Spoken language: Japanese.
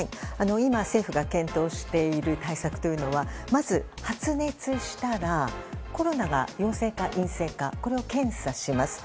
今、政府が検討している対策というのはまず、発熱したらコロナが陽性か陰性かこれを検査します。